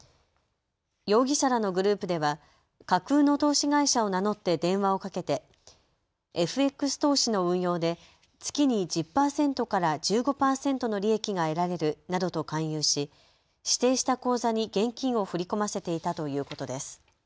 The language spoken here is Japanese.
容疑者らのグループでは架空の投資会社を名乗って電話をかけてＦＸ投資の運用で月に１０％から１５％の利益が得られるなどと勧誘し指定した口座に現金を振り込ませていたということです。